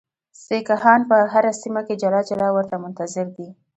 سیکهان په هره سیمه کې جلا جلا ورته منتظر دي.